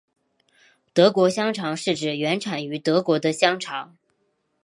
德国香肠是指原产于德国的香肠。